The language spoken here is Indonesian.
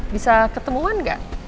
bisa ketemuan gak